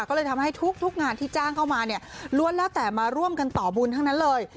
ก็เลยทำให้ทุกงานที่จ้างเข้ามาเนี่ยล้วนแล้วแต่มาร่วมกันต่อบุญทั้งนั้นเลย